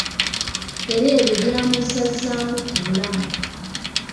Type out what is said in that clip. Era ebyo byamuzzazzaamu ku bulamu.